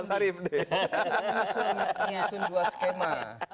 kita sudah menyusun dua skema